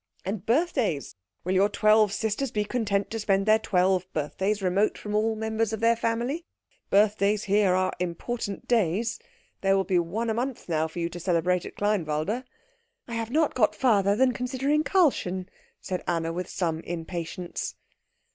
And birthdays will your twelve sisters be content to spend their twelve birthdays remote from all members of their family? Birthdays here are important days. There will be one a month now for you to celebrate at Kleinwalde." "I have not got farther than considering Karlchen," said Anna with some impatience.